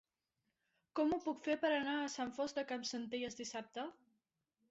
Com ho puc fer per anar a Sant Fost de Campsentelles dissabte?